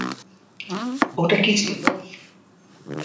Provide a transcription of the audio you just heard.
ওটা কি ছিল?